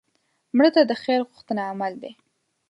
مړه ته د خیر غوښتنه عمل دی